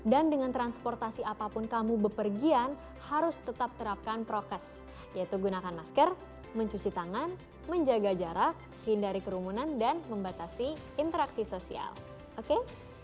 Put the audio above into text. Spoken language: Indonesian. dan dengan transportasi apapun kamu bepergian harus tetap terapkan prokes yaitu gunakan masker mencuci tangan menjaga jarak hindari kerumunan dan membatasi interaksi sosial oke